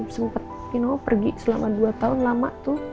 sempet pergi selama dua tahun lama